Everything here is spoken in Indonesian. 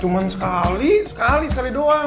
cuma sekali sekali sekali doang